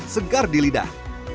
sengkar di lidah